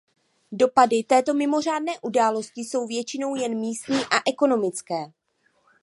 Dopady této mimořádné události jsou většinou jen místní a ekonomické.